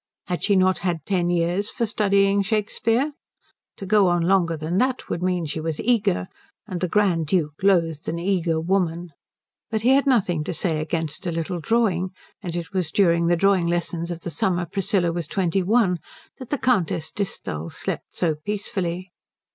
Had she not had ten years for studying Shakespeare? To go on longer than that would mean that she was eager, and the Grand Duke loathed an eager woman. But he had nothing to say against a little drawing; and it was during the drawing lessons of the summer Priscilla was twenty one that the Countess Disthal slept so peacefully.